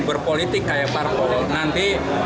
berpolitik kayak parpol nanti